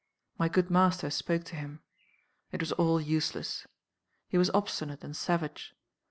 My good master spoke to him. It was all useless. He was obstinate and savage.